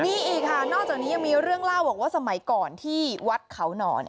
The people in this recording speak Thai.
มีอีกค่ะนอกจากนี้ยังมีเรื่องเล่าบอกว่าสมัยก่อนที่วัดเขาหนอน